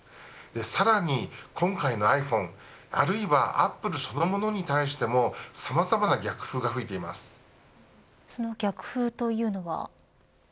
さらに、今回のｉＰｈｏｎｅあるいはアップルそのものに対してもその逆風というのは。